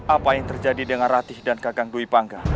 apa yang terjadi dengan ratih dan kagang dwi pangga